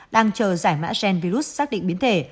đang chờ giải mã gen virus xác định biến thể